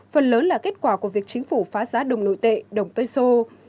phần lớn là kết quả của việc chính phủ phá giá đồng nội tệ đồng peso